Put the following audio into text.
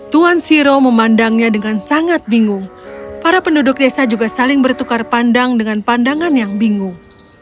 tuan siro memandangnya dengan sangat bingung para penduduk desa juga saling bertukar pandang dengan pandangan yang bingung